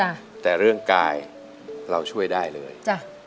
อเรนนี่คือเหตุการณ์เริ่มต้นหลอนช่วงแรกแล้วมีอะไรอีก